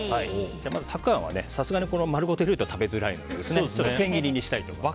まず、たくあんはさすがに丸ごと入れたら食べづらいので千切りにしたいと思います。